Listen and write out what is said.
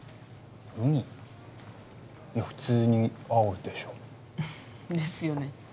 いや普通に青でしょ？ですよね